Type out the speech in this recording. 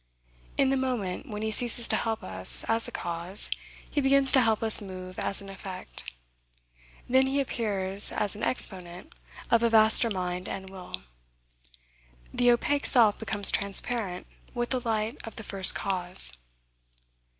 In the moment when he ceases to help us as a cause, he begins to help us move as an effect. Then he appears as an exponent of a vaster mind and will. The opaque self becomes transparent with the light of the First Cause.